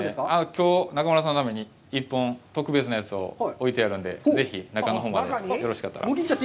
きょう中丸さんのために１本特別なやつを置いてあるので、ぜひ中のほうまで、よろしかったら。